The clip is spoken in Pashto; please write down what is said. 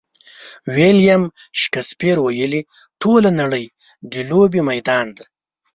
ویلیم شکسپیر ویلي: ټوله نړۍ د لوبې میدان دی.